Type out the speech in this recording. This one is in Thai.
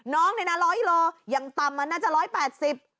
น้องในนั้น๑๐๐กิโลกรัมยังตำมันน่าจะ๑๘๐กิโลกรัม